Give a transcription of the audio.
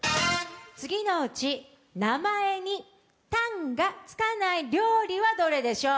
次のうち名前に「たん」がつかない料理はどれでしょう。